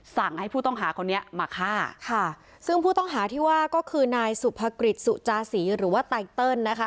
สั่งให้ผู้ต้องหาคนนี้มาฆ่าค่ะซึ่งผู้ต้องหาที่ว่าก็คือนายสุภกฤษสุจาศีหรือว่าไตเติลนะคะ